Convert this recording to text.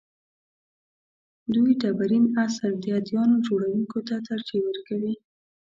دوی ډبرین عصر د اديانو جوړونکو ته ترجیح ورکوي.